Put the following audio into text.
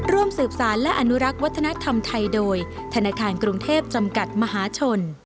ร่วมสืบสารและอนุรักษ์วัฒนธรรมไทยโดยธนาคารกรุงเทพจำกัดมหาชน